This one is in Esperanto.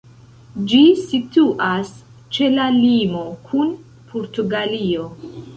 Ĝi situas ĉe la limo kun Portugalio.